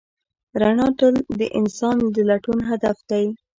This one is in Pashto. رڼا تل د انسان د لټون هدف دی.